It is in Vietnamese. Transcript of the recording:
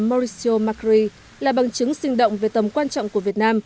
mauricio macri là bằng chứng sinh động về tầm quan trọng của việt nam